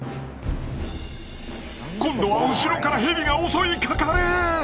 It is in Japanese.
今度は後ろからヘビが襲いかかる！